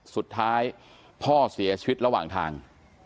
สุดท้ายพ่อเสียชีวิตระหว่างทาง